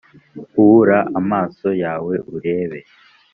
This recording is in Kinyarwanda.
ubura amaso yawe urebe